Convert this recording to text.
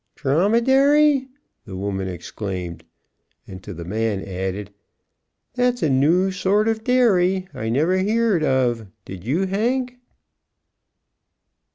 "Dromedary!" The woman exclaimed; and, to the man, added, "That's a new sort of dairy I never heered tell of. Did you, Hank?"